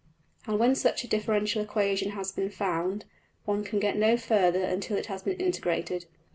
And when such a differential equation has been found, one can get no further until it has been integrated.